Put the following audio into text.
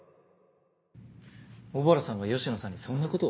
小原さんが吉野さんにそんな事を？